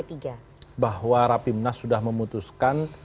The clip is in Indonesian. bahwa rapimnas sudah memutuskan